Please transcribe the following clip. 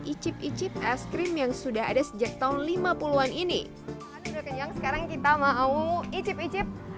icip icip es krim yang sudah ada sejak tahun lima puluh an ini sudah kenyang sekarang kita mau icip icip